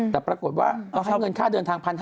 แต่ปรากฏว่าต้องให้เงินค่าเดินทาง๑๕๐๐